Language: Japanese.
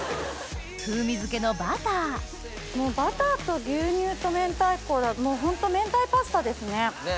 風味付けのバターもうバターと牛乳と明太子だともうホント明太パスタですね。